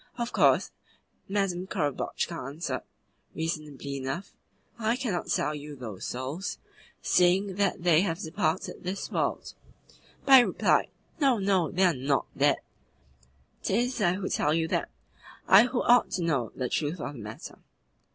Of course, Madame Korobotchka answered, reasonably enough: 'I cannot sell you those souls, seeing that they have departed this world;' but he replied: 'No, no! They are NOT dead. 'Tis I who tell you that I who ought to know the truth of the matter.